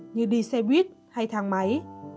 như đi xe buýt hay thang máy